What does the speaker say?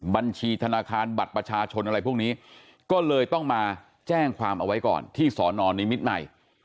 บัญชีธนาคารบัตรประชาชนอะไรพวกนี้ก็เลยต้องมาแจ้งความเอาไว้ก่อนที่สอนอนนิมิตรใหม่